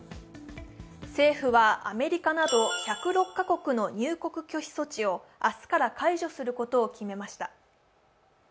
政府はアメリカなど１０６カ国の入国拒否措置を明日から解除することを決めました。